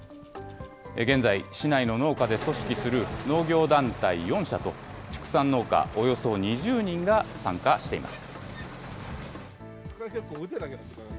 現在、市内の農家で組織する農業団体４社と、畜産農家およそ２０人が参加しています。